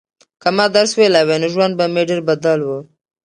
که ما درس ویلی وای نو ژوند به مې ډېر بدل و.